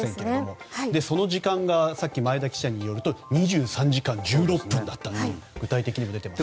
その時間がさっき前田記者によると２３時間１６分だったと具体的に出ていました。